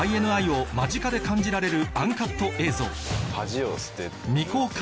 ＩＮＩを間近で感じられるＵＮＣＵＴ映像